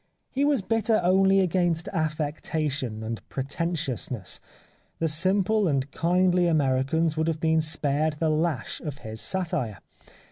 He was bitter only against affectation and pre tentiousness. The simple and kindly Americans would have been spared the lash of his satire.